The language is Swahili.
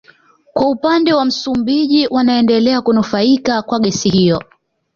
Kwa upande wa Msumbiji wanaendelea kunufaika kwa gesi hiyo